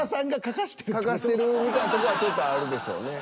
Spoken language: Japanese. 書かしてるみたいなとこはちょっとあるでしょうね。